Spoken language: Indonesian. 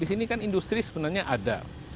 ini kan industri sebenarnya ada